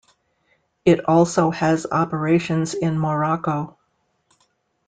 It also has operations in Morocco.